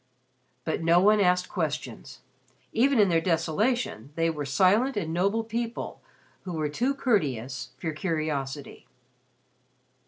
But no one asked questions. Even in their desolation they were silent and noble people who were too courteous for curiosity.